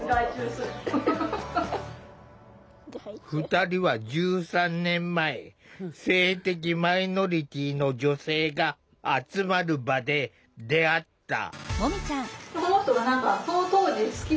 ２人は１３年前性的マイノリティーの女性が集まる場で出会った。